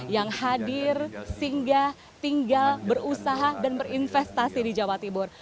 yang hadir singgah tinggal berusaha dan berinvestasi di jawa timur